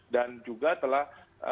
dan juga telah